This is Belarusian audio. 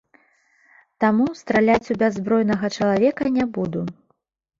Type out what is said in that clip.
Таму, страляць у бяззбройнага чалавека не буду.